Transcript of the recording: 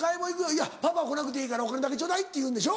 「いやパパは来なくていいからお金だけちょうだい」って言うんでしょ？